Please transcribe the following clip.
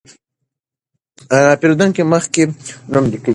پېرېدونکي مخکې نوم لیکي.